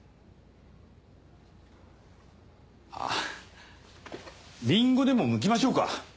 あっリンゴでもむきましょうか？